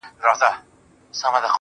خو نارینه کولای شي